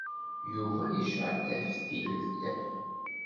Yuba yecɛel taftilt.